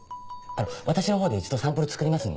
私の方で一度サンプル作りますので。